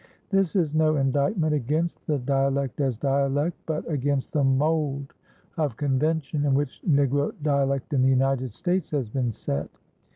This is no indictment against the dialect as dialect, but against the mould of convention in which Negro dialect in the United States has been set.